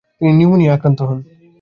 তিনি নিউমোনিয়ায় আক্রান্ত হন।